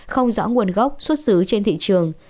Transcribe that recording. không rõ nguồn gốc xuất xứ trên thị trường